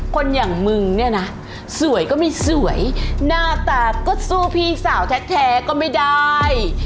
คนอย่างมึงเนี่ยนะสวยก็ไม่สวยหน้าตาก็สู้พี่สาวแท้ก็ไม่ได้